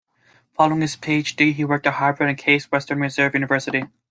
Following his PhD, he worked at Harvard and Case Western Reserve University.